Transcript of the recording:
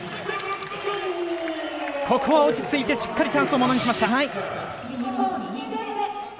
ここは落ち着いてしっかりとチャンスをものにしました。